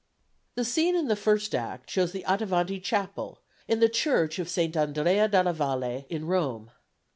The scene in the first act shows the Attavanti Chapel in the Church of Saint Andrea della Valle in Rome.